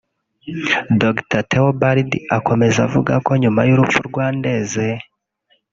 Dr Theobald akomeza avuga ko nyuma y’urupfu rwa Ndeze